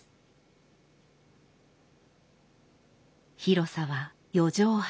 広さは四畳半。